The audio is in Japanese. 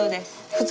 普通？